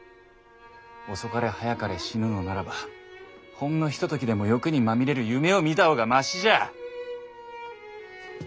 遅かれ早かれ死ぬのならばほんのひとときでも欲にまみれる夢を見た方がマシじゃ。